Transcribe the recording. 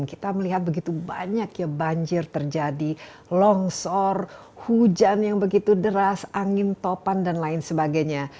kita melihat begitu banyak ya banjir terjadi longsor hujan yang begitu deras angin topan dan lain sebagainya